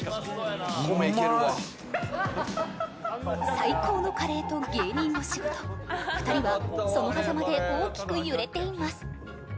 最高のカレーと芸人の仕事２人はそのはざまで大きく揺れています